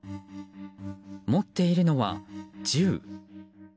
持っているのは銃。